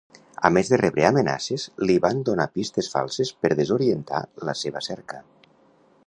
A més de rebre amenaces, li van donar pistes falses per desorientar la seva cerca.